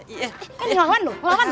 eh eh ini lawan lu lawan